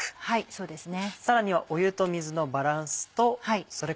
そうですね。